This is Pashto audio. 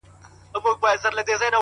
له هوا به پر هوسۍ حمله کومه!.